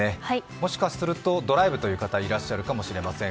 もしかするとドライブという方、いらっしゃるかもしれません。